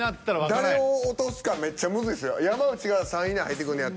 誰を落とすかめっちゃむずいっすよ。